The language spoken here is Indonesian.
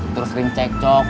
terus sering cecok